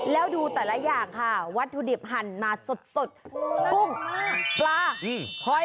แล้วดูแต่ละอย่างค่ะวัตถุดิบหั่นมาสดสุดกุงปลาหอยน่ากินสุดไปเลย